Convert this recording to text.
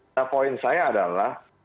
nah poin saya adalah